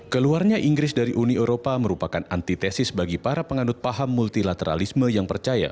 keluarnya inggris dari uni eropa merupakan antitesis bagi para pengandut paham multilateralisme yang percaya